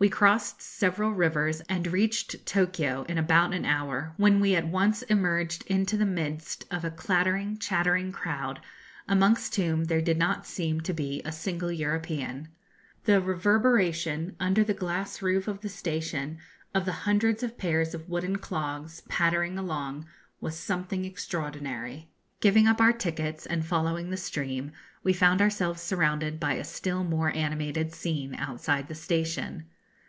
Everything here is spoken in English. We crossed several rivers, and reached Tokio in about an hour, when we at once emerged into the midst of a clattering, chattering crowd, amongst whom there did not seem to be a single European. The reverberation, under the glass roof of the station, of the hundreds of pairs of wooden clogs, pattering along, was something extraordinary. Giving up our tickets, and following the stream, we found ourselves surrounded by a still more animated scene, outside the station.